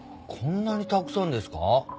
こんなにたくさんですか？